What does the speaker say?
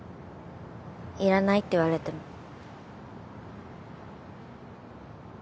いらないって言われても。